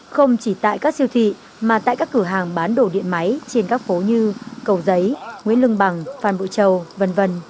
không chỉ tại các siêu thị mà tại các cửa hàng bán đồ điện máy trên các phố như cầu giấy nguyễn lương bằng phan bội châu v v